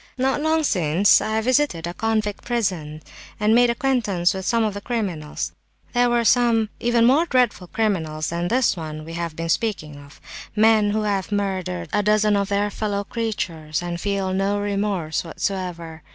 Not long since I visited a convict prison and made acquaintance with some of the criminals. There were some even more dreadful criminals than this one we have been speaking of—men who have murdered a dozen of their fellow creatures, and feel no remorse whatever.